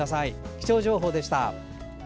気象情報でした。